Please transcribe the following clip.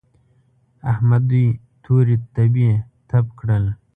احمد دوی تورې تبې تپ کړل.